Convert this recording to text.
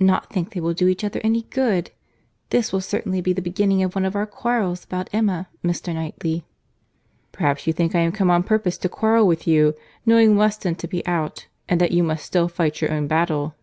—Not think they will do each other any good! This will certainly be the beginning of one of our quarrels about Emma, Mr. Knightley." "Perhaps you think I am come on purpose to quarrel with you, knowing Weston to be out, and that you must still fight your own battle."